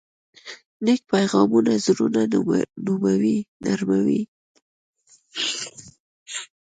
نیک پیغامونه زړونه نرموي.